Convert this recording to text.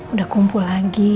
udah kumpul lagi